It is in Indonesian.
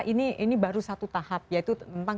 ini baru satu tahap yaitu tentang